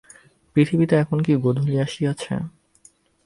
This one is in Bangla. পৃথিবীতে এখন কি গোধূলি আসিয়াছে।